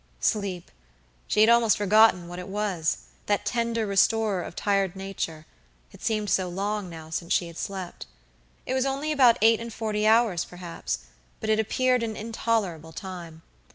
Sleep!she had almost forgotten what it was, that tender restorer of tired nature, it seemed so long now since she had slept. It was only about eight and forty hours perhaps, but it appeared an intolerable time.